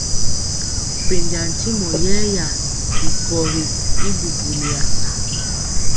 Pɛnja ntyimɔ yɛɛya bi pɔgi y bubuya ri.